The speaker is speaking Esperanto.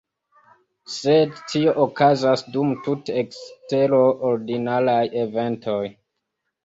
Sed tio okazas dum tute eksterordinaraj eventoj.